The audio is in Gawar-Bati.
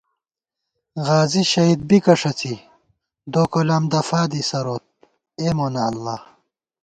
غازی شہیدبِکہ ݭڅی، دوکلام دفادی سَروت اے مونہ اللہ